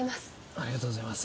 ありがとうございます